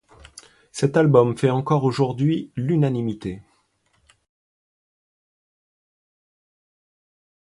Cet album fait encore aujourd'hui l'unanimité.